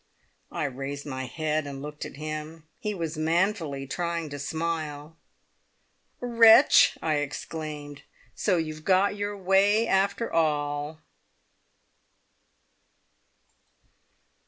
I raised my head and looked at him. He was manfully trying to smile. "Wretch!" I exclaimed. "So you've got your way after all!"